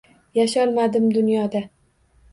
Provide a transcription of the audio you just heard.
Yasholmadim dunyoda.